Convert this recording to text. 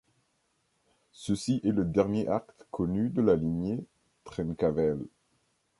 Ceci est le dernier acte connu de la lignée Trencavel.